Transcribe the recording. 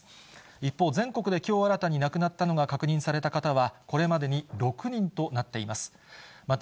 一方、全国できょう新たに亡くなったのが確認された方はこれまでに６人となっています。